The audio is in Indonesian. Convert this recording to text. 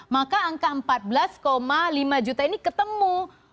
maka angka empat belas lima juta ini ketemu